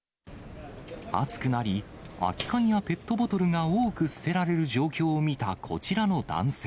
暑くなり、空き缶やペットボトルが多く捨てられる状況を見た、こちらの男性。